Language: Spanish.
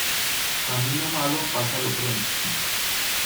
Camino malo, pásalo pronto.